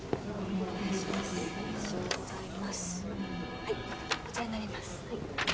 はいこちらになります